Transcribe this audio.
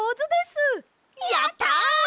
やった！